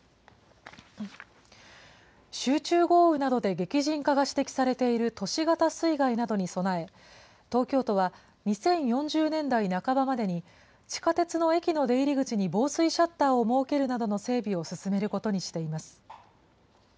集中豪雨などで激甚化が指摘されている都市型水害などに備え、東京都は２０４０年代半ばまでに地下鉄の駅の出入り口に防水シャッターを設けるなどの整備を進めることにしています。